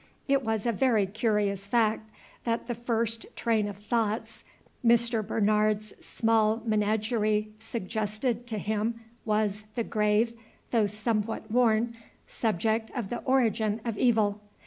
It was a very curious fact that the first train of thoughts Mr. Bernard's small menagerie suggested to him was the grave, though somewhat worn, subject of the origin of evil.